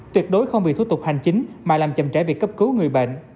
tuyệt đối không bị thủ tục hành chính mà làm chậm trễ việc cấp cứu người bệnh